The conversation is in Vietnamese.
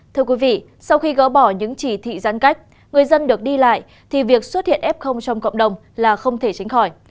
thưa quý vị sau khi gỡ bỏ những chỉ thị giãn cách người dân được đi lại thì việc xuất hiện f trong cộng đồng là không thể tránh khỏi